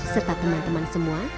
serta teman teman semua